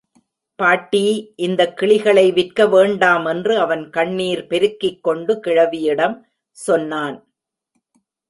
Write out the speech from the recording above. பாட்டீ, இந்தக் கிளிகளை விற்கவேண்டாம் என்று அவன் கண்ணீர் பெருக்கிக்கொண்டு கிழவியிடம் சொன்னான்.